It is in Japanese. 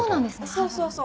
そうそうそう。